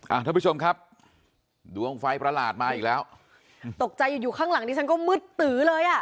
ท่านผู้ชมครับดวงไฟประหลาดมาอีกแล้วตกใจอยู่อยู่ข้างหลังดิฉันก็มืดตือเลยอ่ะ